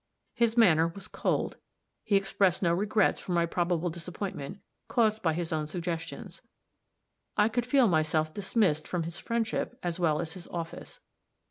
His manner was cold; he expressed no regrets for my probable disappointment, caused by his own suggestions; I could feel myself dismissed from his friendship as well as his office.